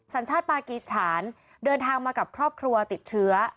สัญชาติปากีสถานเดินทางมากับครอบครัวติดเชื้อ